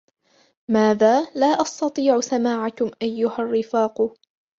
ماذا ؟ لا أستطيع سماعكم أيها الرفاق.